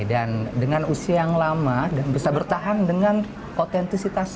dan dengan usia yang lama dan bisa bertahan dengan otentisitas